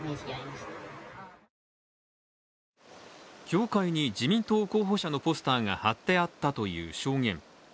教会に自民党候補者のポスターが貼ってあったという証言。